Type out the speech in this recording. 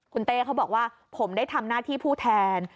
คุณเต้เขาบอกว่าผมได้ทำหน้าที่ผู้แทน